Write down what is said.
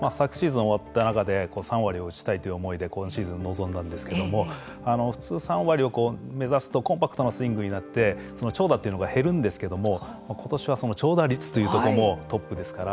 昨シーズン終わった中で３割を打ちたいという思いで今シーズン臨んだんですけれども普通３割を目指すとコンパクトなスイングになって長打というのが減るんですけれども今年はその長打率というところもトップですから。